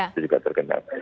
itu juga terkenal